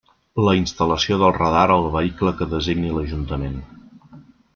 La instal·lació del radar al vehicle que designi l'Ajuntament.